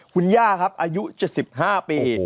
คุณย่าครับอายุ๗๕ปี